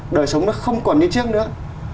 đời sống nó không còn như trước nữa